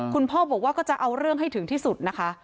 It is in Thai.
คุณพ่อบอกว่าก็จะเอาเรื่องให้ถึงที่สุดนะคะ